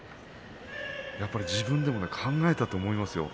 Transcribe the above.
やっぱり自分でも考えたと思いますよ。